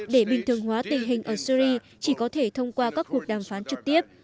để bình thường hóa tình hình ở syri chỉ có thể thông qua các cuộc đàm phán trực tiếp